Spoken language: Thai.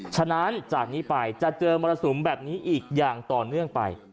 ฉะนั้นจากนี้ไปจะเจอมรสุมแบบนี้อีกอย่างต่อเนื่องไป